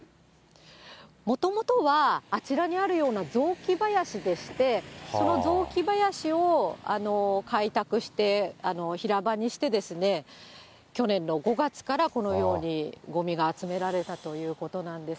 もともとはあちらにあるような、雑木林でして、その雑木林を開拓して、平場にして、去年の５月からこのようにごみが集められたということなんです。